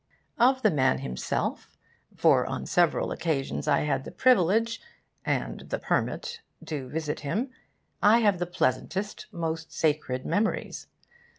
Of the man himself for on several occasions I had the privilege and the permit to visit him I have the pleasantest, most sacred memories.